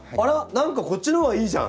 何かこっちのほうがいいじゃん！